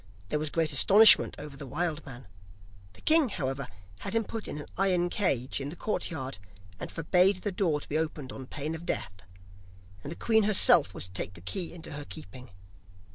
There was great astonishment over the wild man; the king, however, had him put in an iron cage in his courtyard, and forbade the door to be opened on pain of death, and the queen herself was to take the key into her keeping.